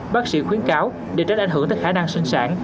bác sĩ khuyến cáo để tránh ảnh hưởng tới khả năng sinh sản